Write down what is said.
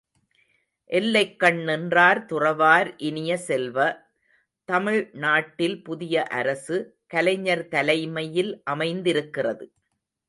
எல்லைக்கண் நின்றார் துறவார் இனிய செல்வ, தமிழ் நாட்டில் புதிய அரசு, கலைஞர் தலைமையில் அமைந்திருக்கிறது.